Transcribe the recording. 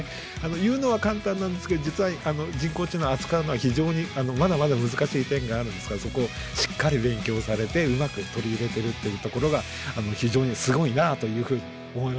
言うのは簡単なんですけど実は人工知能を扱うのは非常にまだまだ難しい点があるんですがそこをしっかり勉強されてうまく取り入れているっていうところが非常にすごいなあというふうに思いました。